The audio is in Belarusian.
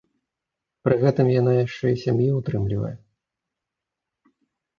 Пры гэтым яна яшчэ і сям'ю ўтрымлівае.